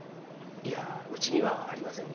いやあうちにはありませんね。